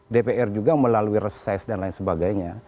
dpr juga melalui reses dan lain sebagainya